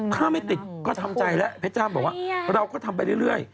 ถ้าไม่ติดก็ทำใจแล้วเพชรจ้าบอกว่าเราก็ทำไปเรื่อย